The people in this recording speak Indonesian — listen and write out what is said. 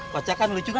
pacakan lucu kan